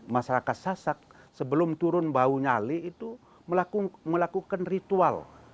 masyarakat sasak sebelum turun bau nyali itu melakukan ritual